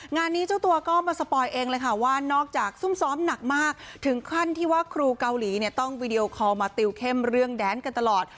งานนี้เจ้าตัวก็มาสปอยเองเลยค่ะว่านอกจากซุ่มซ้อมหนักมากถึงขั้นที่ว่าครูเกาหลีเนี่ยต้องวีดีโอคอลมาติวเข้มเรื่องแดนกันตลอด